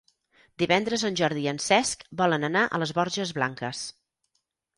Divendres en Jordi i en Cesc volen anar a les Borges Blanques.